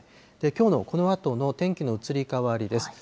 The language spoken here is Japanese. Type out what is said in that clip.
きょうのこのあとの天気の移り変わりです。